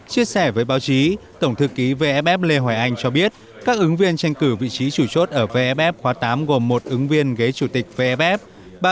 chia sẻ với báo chí tổng thư ký vff lê hoài anh cho biết các ứng viên tranh cử vị trí chủ chốt ở vff khóa tám gồm một ứng viên ghế chủ tịch vff